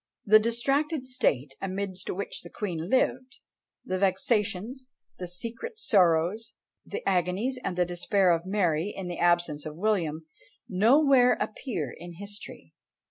The distracted state amidst which the queen lived, the vexations, the secret sorrows, the agonies and the despair of Mary in the absence of William, nowhere appear in history!